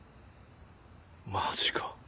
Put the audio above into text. マジか。